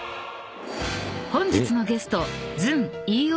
［本日のゲスト］